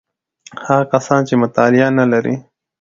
هغه کسان چې مطالعه نلري: